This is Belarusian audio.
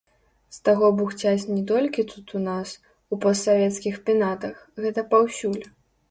З таго бухцяць не толькі тут у нас, у постсавецкіх пенатах, гэта паўсюль.